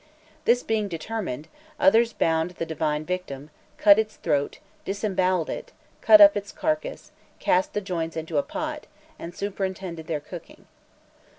This being determined, others bound the divine victim, cut its throat, disembowelled it, cut up its carcass, cast the joints into a pot, and superintended their cooking.